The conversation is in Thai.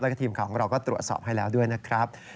แล้วก็ทีมข่าวของเราก็ตรวจสอบให้แล้วด้วยนะครับ